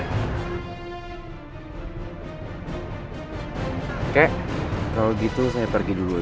kakek kalau begitu saya pergi dulu ya